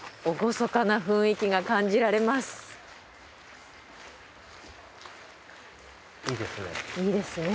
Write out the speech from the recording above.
おごそかな雰囲気が感じられます。